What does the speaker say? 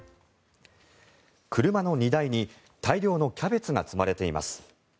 車の荷台に大量のキャベツが積まれています。